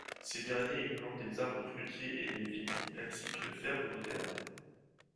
Ces derniers y plantent des arbres fruitiers et des vignes ainsi qu'une ferme moderne.